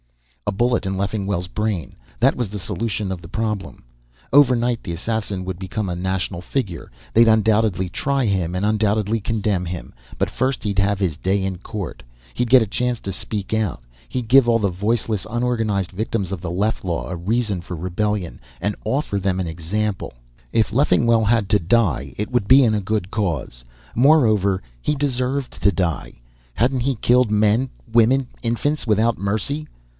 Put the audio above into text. A bullet in Leffingwell's brain; that was the solution of the problem. Overnight the assassin would become a national figure. They'd undoubtedly try him and undoubtedly condemn him, but first he'd have his day in court. He'd get a chance to speak out. He'd give all the voiceless, unorganized victims of the Leff Law a reason for rebellion and offer them an example. If Leffingwell had to die, it would be in a good cause. Moreover, he deserved to die. Hadn't he killed men, women, infants, without mercy?